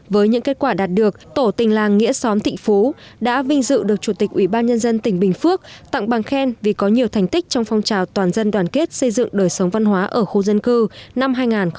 với những kết quả đạt được tổ tình làng nghĩa xóm thịnh phú đã vinh dự được chủ tịch ủy ban nhân dân tỉnh bình phước tặng bằng khen vì có nhiều thành tích trong phong trào toàn dân đoàn kết xây dựng đời sống văn hóa ở khu dân cư năm hai nghìn một mươi tám